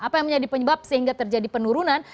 apa yang menjadi penyebab sehingga terjadi penurunan